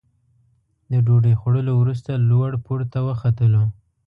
د ډوډۍ خوړلو وروسته لوړ پوړ ته وختلو.